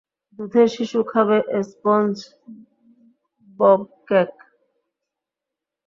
দুধের শিশু খাবে স্পঞ্জবব কেক!